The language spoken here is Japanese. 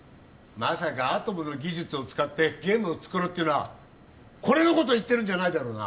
まさかアトムの技術を使ってゲームを作ろうっていうのはこれのこと言ってるんじゃないだろうな？